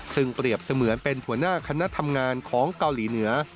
ซึ่งเปรียบเสมือนเป็นหัวหน้าคณะทำงานของเกาหลีเหนือ